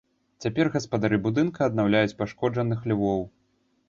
Цяпер гаспадары будынка аднаўляюць пашкоджаных львоў.